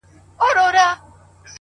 شاعري سمه ده چي ته غواړې؛